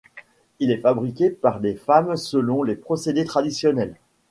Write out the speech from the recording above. Il est fabriqué par les femmes selon les procédés traditionnels.